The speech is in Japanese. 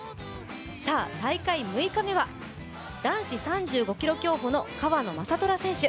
さあ、大会６日目は男子３５ｋｍ競歩の川野将虎選手。